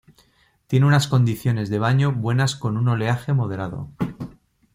Tiene unas condiciones de baño buenas con un oleaje moderado.